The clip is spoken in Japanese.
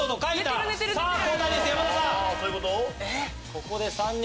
ここで３人！